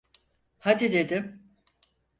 Hadi dedim!